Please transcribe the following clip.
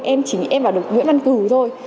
em chỉ nghĩ em vào được nguyễn văn cửu thôi